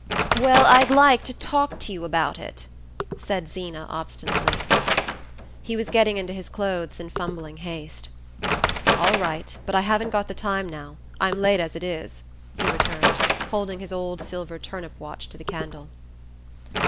"Well, I'd like to talk to you about it," said Zeena obstinately. He was getting into his clothes in fumbling haste. "All right. But I haven't got the time now; I'm late as it is," he returned, holding his old silver turnip watch to the candle.